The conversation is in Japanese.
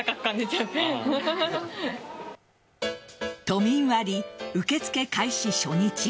都民割、受け付け開始初日。